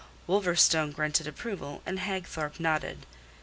Wolverstone grunted approval and Hagthorpe nodded.